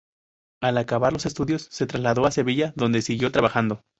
Al acabar los estudios se trasladó a Sevilla donde siguió trabajando.